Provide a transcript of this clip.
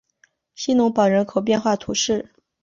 希农堡人口变化图示